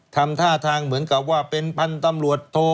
ทำท่าทางเหมือนกับว่าเป็นพันธุ์ตำรวจโท